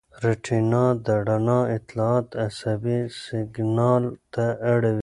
ریټینا د رڼا اطلاعات عصبي سېګنال ته اړوي.